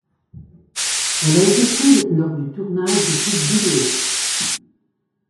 Elle a été prise lors du tournage du clip vidéo.